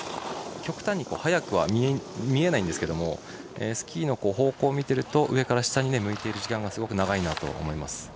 極端に速くは見えないんですけどスキーの方向を見ていると上から下に向いている時間がすごく長いと思います。